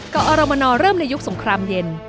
กอรมนเริ่มในยุคสงครามเย็น